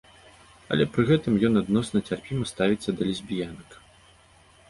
Але пры гэтым ён адносна цярпіма ставіцца да лесбіянак.